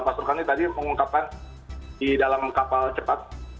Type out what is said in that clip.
pak surkani tadi mengungkapkan di dalam kapal cepat